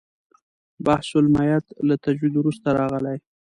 بحث المیت له تجوید وروسته راغلی.